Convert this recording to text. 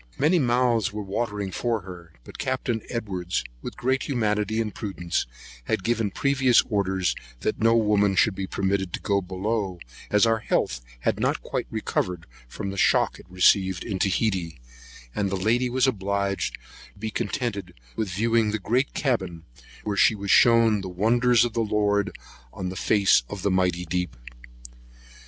Many mouths were watering for her; but Capt. Edwards, with great humanity and prudence, had given previous orders, that no woman should be permitted to go below, as our health had not quite recovered the shock it received at Otaheite; and the lady was obliged to be contented with viewing the great cabin, where she was shewn the wonders of the Lord on the face of the mighty deep.